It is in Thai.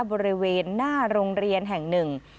บริเวณหน้าโรงเรียนแห่งหนึ่ง